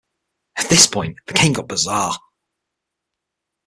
At this point, the game got bizarre.